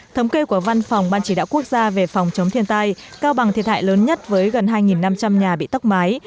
thống kê của văn phòng ban chỉ đạo quốc gia về phòng chống thiên tai cao bằng thiệt hại lớn nhất với gần hai năm trăm linh nhà bị tốc mái